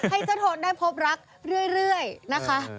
ให้เจ้าโทนได้พบรักเรื่อยนะคะ